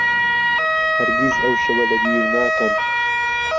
هەرگیز ئەو شەوە لەبیر ناکەم.